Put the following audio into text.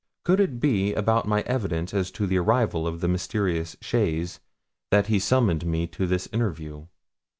Could it be about my evidence as to the arrival of the mysterious chaise that he summoned me to this interview?